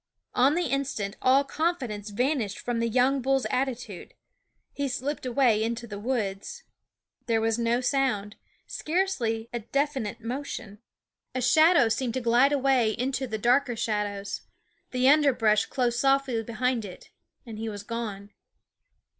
On the instant all ... confidence vanished from the young bull's attitude. He slipped away into the woods. . There was no sound ; scarcely a definite \ motion. A shadow seemed to glide away (' into the darker shadows. The underbrush J closed softly behind it, and he was gone.